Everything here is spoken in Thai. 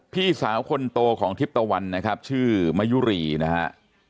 พี่สาวคนโตของธิบตวนชื่อมะยุรีนะฮะ